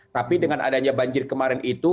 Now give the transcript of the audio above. tapi dengan adanya banjir kemarin itu